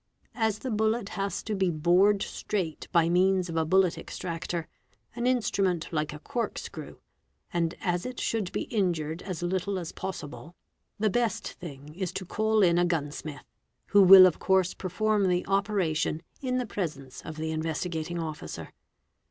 As the bullet has to be bored straight by means of a bullet extractor, an instrument like a corkscrew, and as it should be injured as little as possible, the best thing is to call in a gunsmith, who will of course perform the operation in the presence of the Investigating Officer.